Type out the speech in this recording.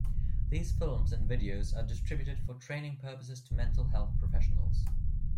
These films and videos are distributed for training purposes to mental health professionals.